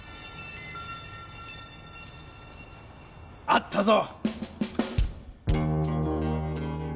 あったぞ！